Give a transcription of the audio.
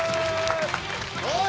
おい！